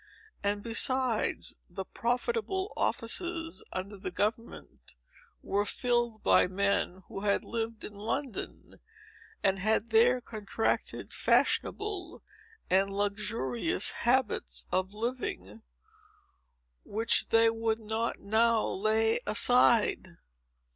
And, besides, the profitable offices under the government were filled by men who had lived in London, and had there contracted fashionable and luxurious habits of living, which they would not now lay aside.